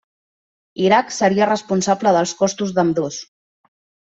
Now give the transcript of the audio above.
Iraq seria responsable dels costos d'ambdós.